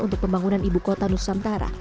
untuk pembangunan ibu kota nusantara